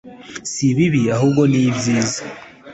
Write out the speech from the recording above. si ibibi ahubwo ni ibyiza